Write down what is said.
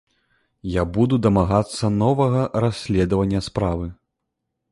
Я буду дамагацца новага расследавання справы.